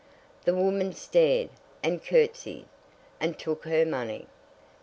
The woman stared, and curtseyed, and took her money.